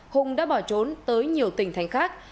hùng đã bỏ trốn tới nhiều tỉnh thành khác